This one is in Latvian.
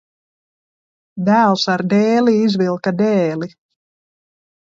Dēls ar dēli izvilka dēli.